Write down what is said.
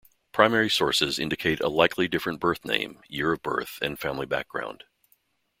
Primary sources indicate a likely different birth name, year of birth and family background.